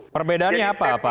perbedaannya apa pak hermawan